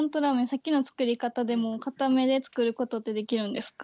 さっきの作り方でもかためで作ることってできるんですか。